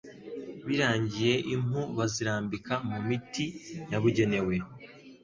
birangiye impu bazirambika mu miti yabugenewe